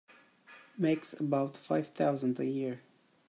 Makes about five thousand a year.